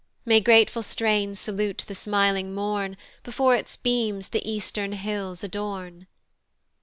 May grateful strains salute the smiling morn, Before its beams the eastern hills adorn!